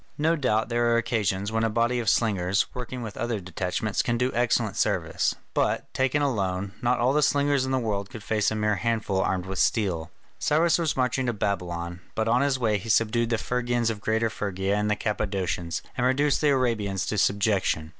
No doubt there are occasions when a body of slingers, working with other detachments, can do excellent service, but, taken alone, not all the slingers in the world could face a mere handful armed with steel. Cyrus was marching to Babylon, but on his way he subdued the Phrygians of Greater Phrygia and the Cappadocians, and reduced the Arabians to subjection.